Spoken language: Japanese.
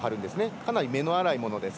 かなり目の粗いものです。